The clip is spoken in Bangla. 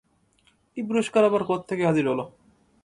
এই পুরষ্কার আবার কোত্থেকে হাজির হলো?